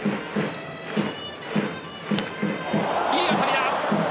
いい当たりだ！